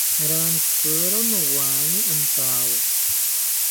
Rantziro nowani antawo